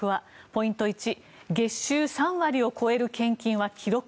ポイント１月収３割を超える献金は記録。